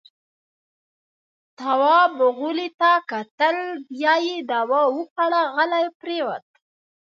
تواب غولي ته کتل. بيا يې دوا وخوړه، غلی پرېووت.